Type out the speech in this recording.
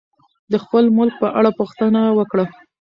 د خپل ملک په اړه پوښتنه وکړه.